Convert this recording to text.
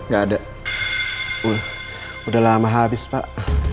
ya udah lama habis pak